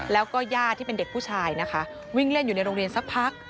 แล้วก็ญาติที่เป็นเด็กผู้ชายนะคะวิ่งเล่นอยู่ในโรงเรียนสักพัก